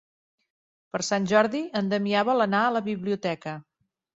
Per Sant Jordi en Damià vol anar a la biblioteca.